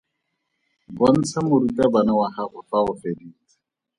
Bontsha morutabana wa gago fa o feditse.